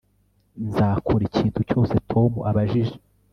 Nzakora ikintu cyose Tom abajije